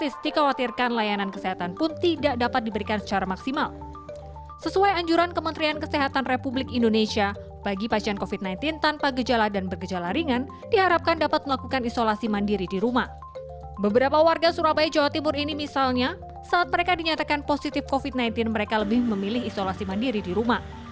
seperti jawa timur ini misalnya saat mereka dinyatakan positif covid sembilan belas mereka lebih memilih isolasi mandiri di rumah